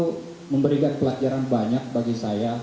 itu memberikan pelajaran banyak bagi saya